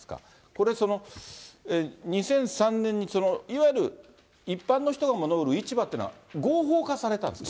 これ、２００３年に、いわゆる一般の人が物売る市場っていうのは合法化されたんですか。